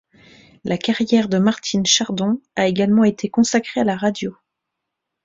La carrière de Martine Chardon a également été consacrée à la radio.